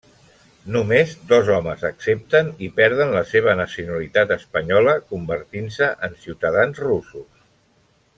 Només dos homes accepten, i perden la seva nacionalitat espanyola, convertint-se en ciutadans russos.